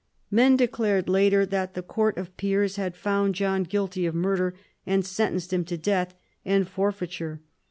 Men declared later that the court of peers had found John guilty of murder, and sentenced him to death and for feiture.